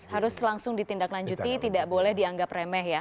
harus langsung ditindaklanjuti tidak boleh dianggap remeh ya